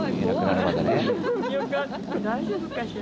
大丈夫かしら。